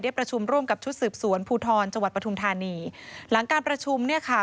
ประชุมร่วมกับชุดสืบสวนภูทรจังหวัดปฐุมธานีหลังการประชุมเนี่ยค่ะ